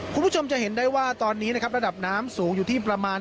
คุณผู้ชมจะเห็นได้ว่าตอนนี้นะครับระดับน้ำสูงอยู่ที่ประมาณ